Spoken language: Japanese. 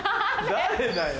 誰だよ。